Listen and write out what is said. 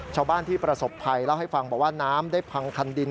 ชาวบ้านที่ประสบภัยเล่าให้ฟังบอกว่าน้ำได้พังคันดิน